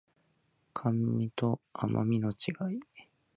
甘味と甘味の違い